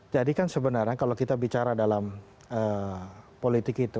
jadi kan sebenarnya kalau kita bicara dalam politik itu